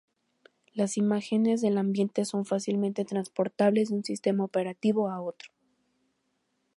Las imágenes del ambiente son fácilmente transportables de un sistema operativo a otro.